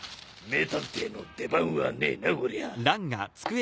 名探偵の出番はねなこりゃあ。